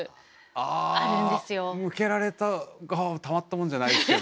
向けられた側はたまったもんじゃないですけども。